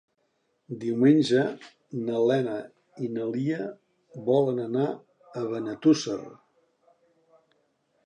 Diumenge na Lena i na Lia volen anar a Benetússer.